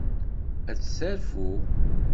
Ad terfu.